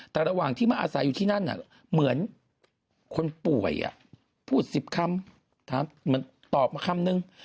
แต่ระหว่างที่มาอาศัยอยู่ที่นั่นเหมือนคนป่วยพูด๑๐คำถามเหมือนตอบมาคำนึง